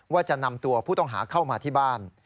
ว่าจะนำตัวผู้ต้องหาเข้ามาที่บ้าน